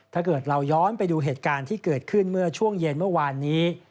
ถ้าเกิดเราย้อนไปดูเหตุการณ์ที่เกิดขึ้นเมื่อช่วงเย็นเมื่อวานนี้